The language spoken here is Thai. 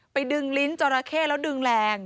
ไปดึงลิ้นเจาะเก้ย์แล้วดึงแรง